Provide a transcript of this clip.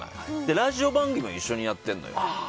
ラジオ番組を一緒にやってるのよ。